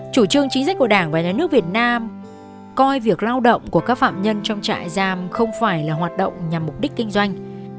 chủ trương chính sách của đảng và nhà nước việt nam coi việc lao động của các phạm nhân trong trại giam không phải là hoạt động nhằm mục đích kinh doanh